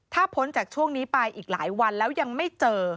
ถ้าพ้นจากช่วงนี้ไปอีกหลายวันแล้วยังไม่เจอ